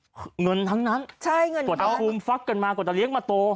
โอ้โหเงินทั้งนั้นตัวคุมฟักกันมากว่าจะเลี้ยงมาโต